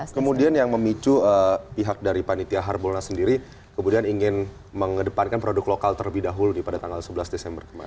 kemudian yang memicu pihak dari panitia harbolnas sendiri kemudian ingin mengedepankan produk lokal terlebih dahulu pada tanggal sebelas desember kemarin